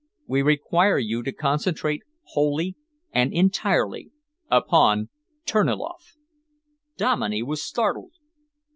We require you to concentrate wholly and entirely upon Terniloff." Dominey was startled.